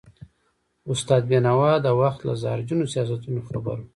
استاد بينوا د وخت له زهرجنو سیاستونو خبر و.